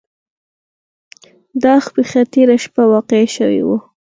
دا پیښه تیره شپه واقع شوې وه.